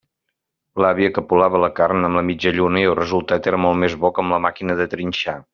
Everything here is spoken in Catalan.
L'àvia capolava la carn amb la mitjalluna, i el resultat era molt més bo que amb la màquina de trinxar.